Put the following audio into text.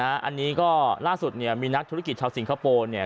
อันนี้ก็ล่าสุดเนี่ยมีนักธุรกิจชาวสิงคโปร์เนี่ย